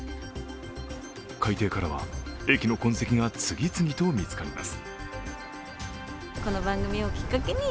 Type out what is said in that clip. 海底からは駅の痕跡が次々と見つかります。